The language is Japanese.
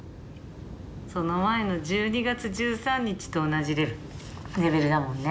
その前の１２月１３日と同じレベルだもんね。